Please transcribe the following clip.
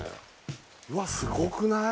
うわっすごくない？